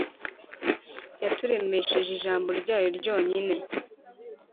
yaturemesheje ijambo ryayo ryonyine;